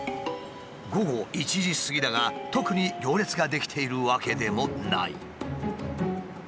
午後１時過ぎだが特に行列が出来ているわけでもない。